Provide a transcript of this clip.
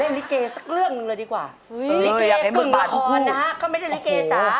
อ๋อนะเขาไม่ได้ริเกจอ่ะ